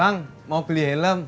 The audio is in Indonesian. bang mau beli helm